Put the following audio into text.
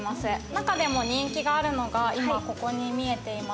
中でも人気があるのがここに見えています